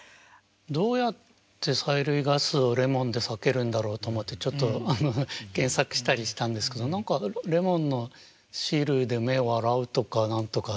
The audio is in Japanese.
どうやって催涙ガスをレモンで避けるんだろうと思ってちょっと検索したりしたんですけど何かレモンの汁で目を洗うとか何とか。